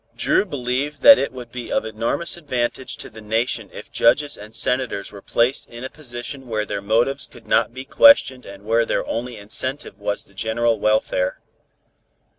Dru believed that it would be of enormous advantage to the Nation if Judges and Senators were placed in a position where their motives could not be questioned and where their only incentive was the general welfare.